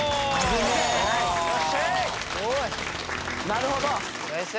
なるほど。